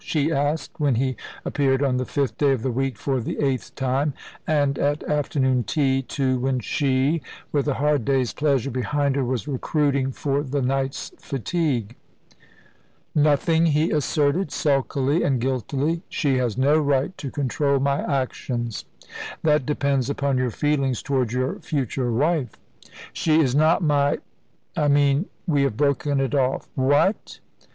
she asked, when he appeared on the fifth day of the week for the eighth time, and at afternoon tea, too, when she, with a hard day's pleasure behind her, was recruiting for the night's fatigue. "Nothing," he asserted, sulkily and guiltily; "she has no right to control my actions." "That depends upon your feelings towards your future wife." "She is not my I mean, we have broken it off." "What!"